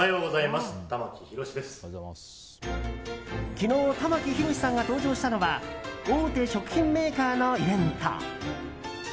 昨日、玉木宏さんが登場したのは大手食品メーカーのイベント。